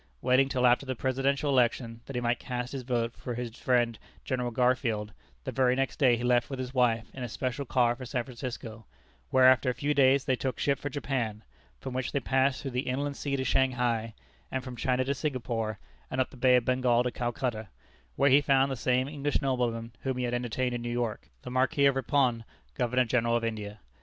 Waiting till after the Presidential election, that he might cast his vote for his friend General Garfield, the very next day he left with his wife in a special car for San Francisco, where after a few days, they took ship for Japan, from which they passed through the Inland Sea to Shanghai, and from China to Singapore, and up the Bay of Bengal to Calcutta, where he found the same English nobleman whom he had entertained in New York, the Marquis of Ripon, Governor General of India.